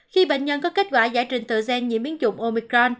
khi bệnh nhân có kết quả giải trình tự gen nhiễm biến chủng omicron